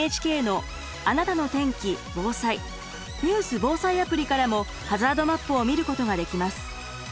このほかＮＨＫのからもハザードマップを見ることができます。